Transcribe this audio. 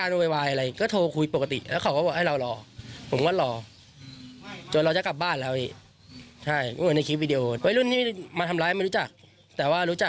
รู้หรือยังว่าเขามาทำร้ายแล้ว